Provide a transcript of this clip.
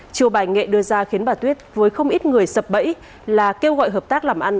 chiều bài nghệ đưa ra khiến bà tuyết với không ít người sập bẫy là kêu gọi hợp tác làm ăn